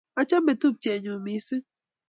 Achame tupchennyu missing'